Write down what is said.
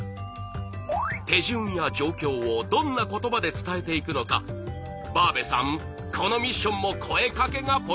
手順や状況をどんな言葉で伝えていくのかバーベさんこのミッションも声かけがポイントです。